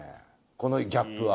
このギャップは。